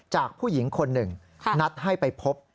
จากผู้หญิงคนหนึ่งนัดให้ไปพบ